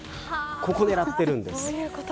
ここ、狙っているんです。